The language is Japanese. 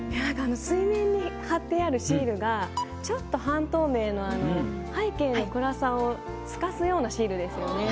水面に貼ってあるシールがちょっと半透明の背景の暗さを透かすようなシールですよね。